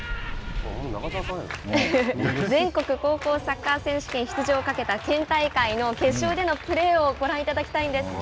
全国高校サッカー選手権出場をかけた県大会の決勝でのプレーをご覧いただきたいんです。